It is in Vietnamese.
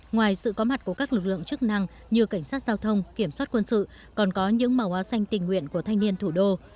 ngoài sự có mặt của các lực lượng chức năng như cảnh sát giao thông kiểm soát quân sự còn có những màu áo xanh tình nguyện của thanh niên thủ đô